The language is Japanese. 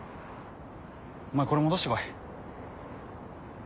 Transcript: お前これ戻してこい。